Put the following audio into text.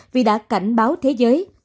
vì đã cảnh báo thế giới